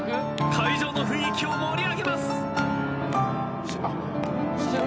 会場の雰囲気を盛り上げます。